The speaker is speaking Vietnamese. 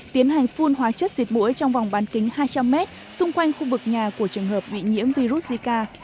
tiến hành phun hóa chất diệt mũi trong vòng bán kính hai trăm linh m xung quanh khu vực nhà của trường hợp bị nhiễm virus zika